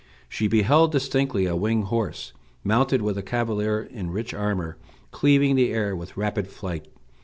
She beheld distinctly a winged horse, mounted with a cavalier in rich armor, cleaving the air with rapid flight.